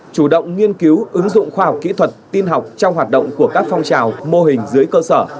chủ động nghiên cứu ứng dụng khoa học kỹ thuật tiên học trong hoạt động của các phong trào mô hình dưới cơ sở